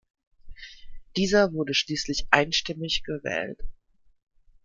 Dieser wurde schließlich einstimmig gewählt.